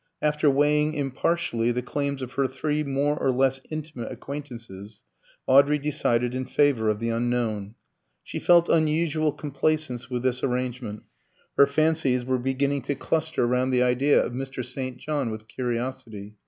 After weighing impartially the claims of her three more or less intimate acquaintances, Audrey decided in favour of the unknown. She felt unusual complacence with this arrangement. Her fancies were beginning to cluster round the idea of Mr. St. John with curiosity.